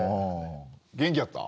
元気だった？